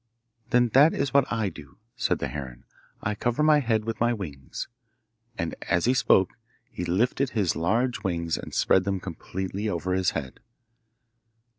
'Then that is what I do,' said the heron. 'I cover my head with my wings,' and as he spoke he lifted his large wings and spread them completely over his head.